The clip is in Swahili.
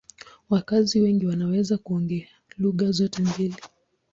Wakazi wengi wanaweza kuongea lugha zote mbili.